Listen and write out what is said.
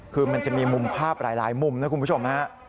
คือมันจะมีมุมภาพหลายมุมนะคุณผู้ชมฮะ